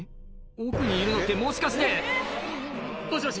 奥にいるのってもしかして「もしもし？